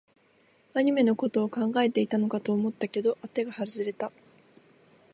アニメのことを考えていたのかと思ったけど、あてが外れた